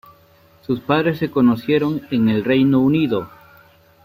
Sus padres se conocieron en el Reino Unido.